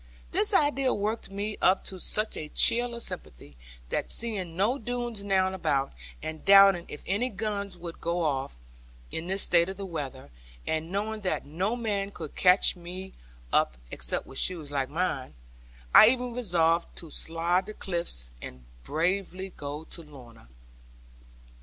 This idea worked me up to such a chill of sympathy, that seeing no Doones now about, and doubting if any guns would go off, in this state of the weather, and knowing that no man could catch me up (except with shoes like mine), I even resolved to slide the cliffs, and bravely go to Lorna.